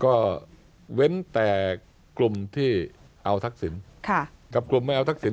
ก็เว้นแต่กลุ่มที่เอาทักษิณกับกลุ่มไม่เอาทักษิณ